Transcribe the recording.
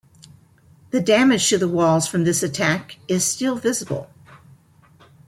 The damage to the walls from this attack is still visible.